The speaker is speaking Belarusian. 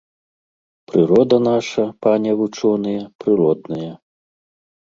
Прырода наша, пане вучоныя, прыродная.